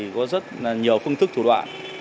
có rất nhiều phương thức thủ đoạn